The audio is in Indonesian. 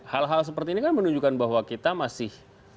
hal hal seperti ini kan menunjukkan bahwa kita masih